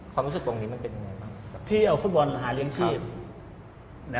ความรู้สึกตรงนี้มันเป็นอะไรบ้าง